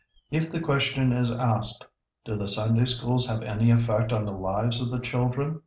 If the question is asked, Do the Sunday Schools have any effect on the lives of the children?